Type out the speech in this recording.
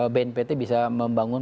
bnpt bisa membangun